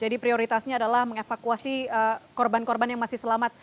jadi prioritasnya adalah mengevakuasi korban korban yang masih selalu diperlukan